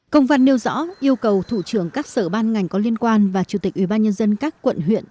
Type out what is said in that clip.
công văn nêu rõ yêu cầu thủ trưởng các sở ban ngành có liên quan và chủ tịch ubnd các quận huyện